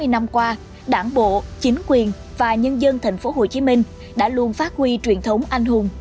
bốn mươi năm qua đảng bộ chính quyền và nhân dân thành phố hồ chí minh đã luôn phát huy truyền thống anh hùng